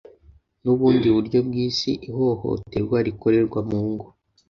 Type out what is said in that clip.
n'ubundi buryo bw'isi Ihohoterwa rikorerwa mu ngo